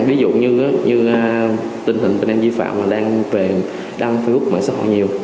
ví dụ như tình hình tình an di phạm đang phê hút mạng xã hội nhiều